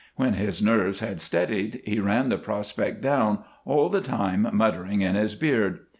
When his nerves had steadied he ran the prospect down, all the time muttering in his beard.